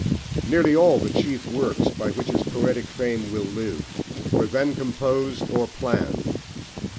Nearly all the chief works by which his poetic fame will live were then composed or planned.